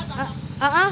di sana cerut banget